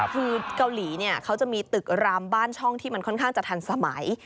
คือเกาหลีเนี่ยเขาจะมีตึกรามบ้านช่องที่มันค่อนข้างจะทันสมัย